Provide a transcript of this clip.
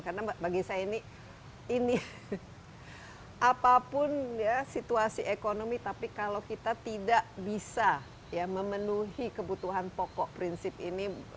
karena bagi saya ini ini apapun ya situasi ekonomi tapi kalau kita tidak bisa ya memenuhi kebutuhan pokok prinsip ini